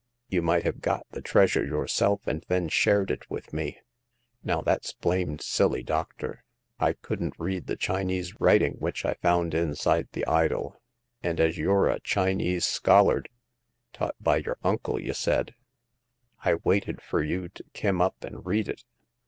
You might have got the treasure yourself and then shared it with me." " Now, that's blamed silly, doctor ! I couldn't read the Chinese writing which I found inside the idol ; and as you're a Chinese scholard — taught by your uncle, y' said — I waited fur you to kim up and read it.